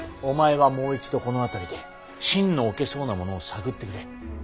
お前はもう一度この辺りで信の置けそうな者を探ってくれ。